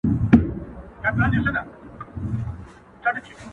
وه غنمرنگه نور لونگ سه چي په غاړه دي وړم_